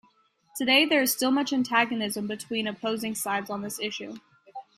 Today, there is still much antagonism between opposing sides on this issue.